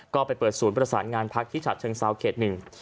ก็ไปเปิดศูนย์ประสานงานพักที่ฉัดเชิงเซาเขตหนึ่ง